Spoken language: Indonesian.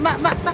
bayar dulu mbak